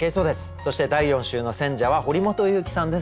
そして第４週の選者は堀本裕樹さんです。